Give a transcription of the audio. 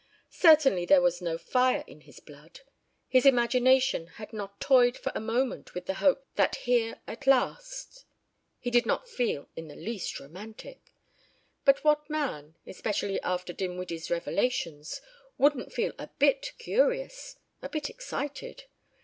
Certainly there was no fire in his blood. His imagination had not toyed for a moment with the hope that here at last ... He did not feel in the least romantic. But what man, especially after Dinwiddie's revelations, wouldn't feel a bit curious, a bit excited?